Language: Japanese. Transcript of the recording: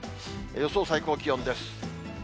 予想最高気温です。